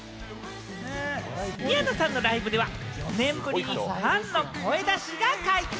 宮野さんのライブでは４年ぶりにファンの声出しが解禁。